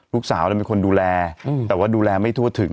ลูกสาวเป็นคนดูแลแต่ว่าดูแลไม่ทั่วถึง